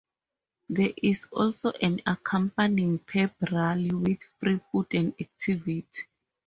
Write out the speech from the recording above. There is also an accompanying pep rally with free food and activity.